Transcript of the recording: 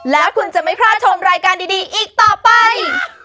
แล้วคุณจะไม่พลาดชมรายการดีอีกต่อไป